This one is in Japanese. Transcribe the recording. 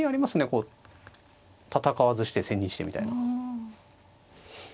こう戦わずして千日手みたいな。